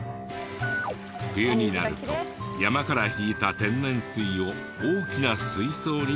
冬になると山から引いた天然水を大きな水槽にため。